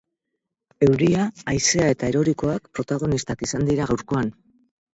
Euria, haizea eta erorikoak protagonistak izan dira gaurkoan.